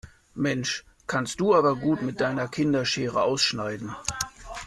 Mensch, kannst du aber gut mit deiner Kinderschere ausschneiden.